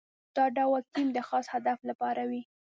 دا ډول ټیم د خاص هدف لپاره وي.